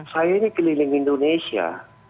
saya ini keliling indonesia